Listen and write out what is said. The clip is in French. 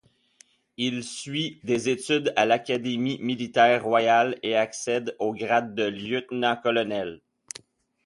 Il suit des études à l'académie militaire royale et accède au grade de lieutenant-colonel.